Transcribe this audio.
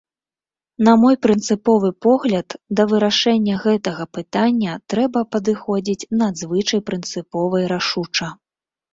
На мой прынцыповы погляд, да вырашэння гэтага пытання трэба падыходзіць надзвычай прынцыпова і рашуча.